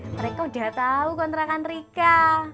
mereka udah tau kontrakan mereka